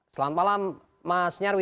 selamat malam mas nyarwi